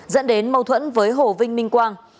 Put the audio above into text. dẫn đến mâu thuẫn với hồ vinh minh quang